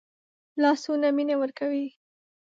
لاسونه مینه ورکوي